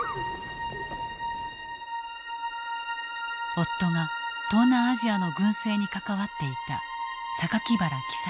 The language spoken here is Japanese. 夫が東南アジアの軍政に関わっていた原喜佐子。